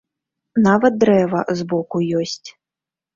Нават дрэва збоку ёсць.